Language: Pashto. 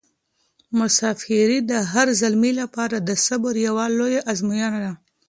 مساپري د هر زلمي لپاره د صبر یوه لویه ازموینه ده.